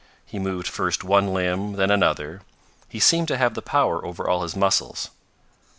He moved first one limb, then another. He seemed to have the power over all his muscles.